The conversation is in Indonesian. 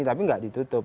tapi tidak ditutup